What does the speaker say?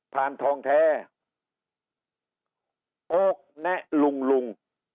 ทานทองแท้โอ๊กแนะลุง